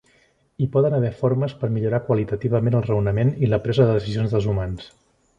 Hi poden haver formes per millorar "qualitativament" el raonament i la presa de decisions dels humans.